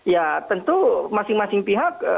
ya tentu masing masing pihak